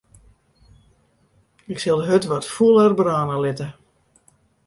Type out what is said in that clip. Ik sil de hurd wat fûler brâne litte.